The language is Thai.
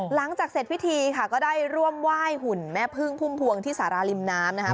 หลังจากเสร็จพิธีค่ะก็ได้ร่วมไหว้หุ่นแม่พึ่งพุ่มพวงที่สาราริมน้ำนะครับ